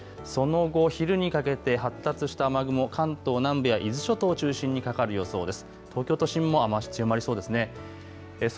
その後、昼にかけて発達した雨雲、関東南部や伊豆諸島を中心にかかる予想です。